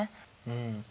うん。